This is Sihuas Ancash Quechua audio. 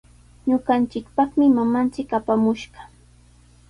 Ñuqanchikpaqmi mamanchik apamushqa.